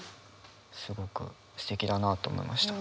すごくすてきだなと思いました。